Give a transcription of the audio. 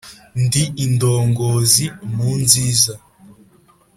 ndi indongozi mu nziza,